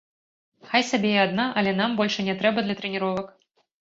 Хай сабе і адна, але нам больш і не трэба для трэніровак.